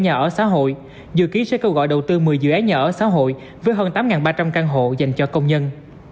nhà ở xã hội dự kiến sẽ kêu gọi đầu tư một mươi dự án nhà ở xã hội với hơn tám ba trăm linh căn hộ dành cho công nhân